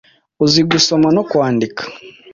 uzi gusoma no kwandika